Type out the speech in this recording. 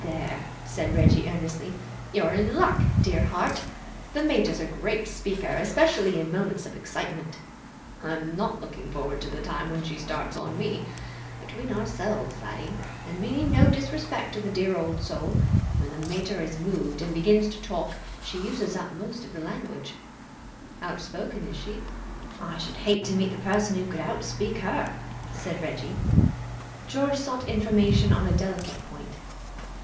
"There," said Reggie, earnestly, "you're in luck, dear heart! The mater's a great speaker, especially in moments of excitement. I'm not looking forward to the time when she starts on me. Between ourselves, laddie, and meaning no disrespect to the dear soul, when the mater is moved and begins to talk, she uses up most of the language." "Outspoken, is she?" "I should hate to meet the person who could out speak her," said Reggie. George sought information on a delicate point.